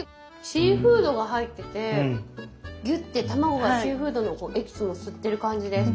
シーフードが入っててぎゅって卵がシーフードのエキスを吸ってる感じです。